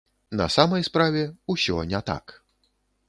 На самай справе, усё не так.